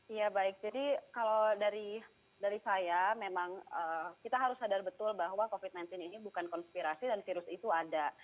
iya baik jadi kalau dari saya memang kita harus sadar betul bahwa covid sembilan belas ini bukan konspirasi dan virus itu ada